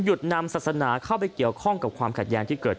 นำศาสนาเข้าไปเกี่ยวข้องกับความขัดแย้งที่เกิด